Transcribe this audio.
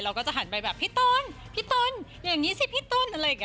เราก็จะหันไปแบบพี่ตนอย่างนี้สิพี่ตน